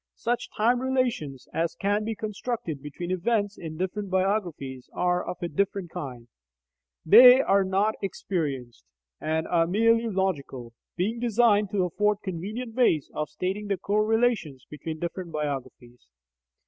Such time relations as can be constructed between events in different biographies are of a different kind: they are not experienced, and are merely logical, being designed to afford convenient ways of stating the correlations between different biographies.